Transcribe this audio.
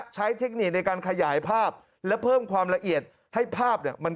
เทคนิคในการขยายภาพและเพิ่มความละเอียดให้ภาพเนี่ย